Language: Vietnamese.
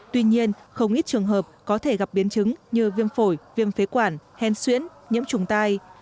tuy nhiên không ít trường hợp có thể gặp biến chứng như viêm phổi viêm phế quản hen xuyễn nhiễm trùng tai